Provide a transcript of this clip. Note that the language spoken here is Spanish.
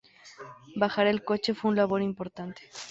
Bajar el coche fue una labor importante.